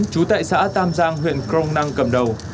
trú tại xã tam giang huyện crong năng cầm đầu